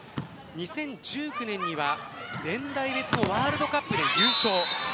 ２０１９年には年代別のワールドカップで優勝。